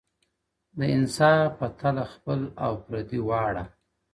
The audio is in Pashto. o د انصاف په تله خپل او پردي واړه ,